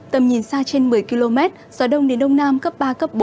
tầm nhìn xa trên một mươi km gió đông đến đông nam cấp ba cấp bốn